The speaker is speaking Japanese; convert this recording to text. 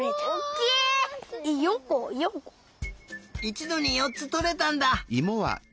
いちどによっつとれたんだ！